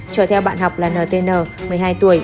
chở theo bạn học là ntn một mươi hai tuổi